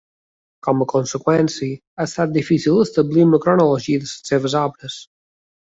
Com a conseqüència ha estat difícil establir una cronologia de les seues obres.